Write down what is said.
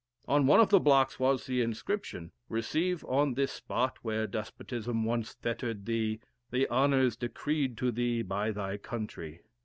On one of the blocks was the inscription, 'Receive on this spot, where despotism once fettered thee, the Honors decreed to thee by thy country'....